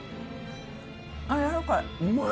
あっやわらかい。